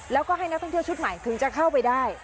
แล้วก็ให้นักท่องเที่ยวชุดใหม่ถึงจะเข้าไปได้